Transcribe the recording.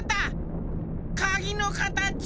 かぎのかたちは。